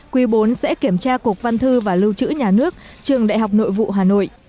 quý bốn sẽ kiểm tra cục văn thư và lưu trữ nhà nước trường đại học nội vụ hà nội